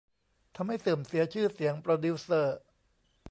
ทำให้เสื่อมเสียชื่อเสียงโปรดิวเซอร์